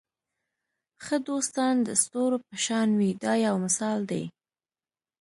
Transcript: ښه دوستان د ستورو په شان وي دا یو مثال دی.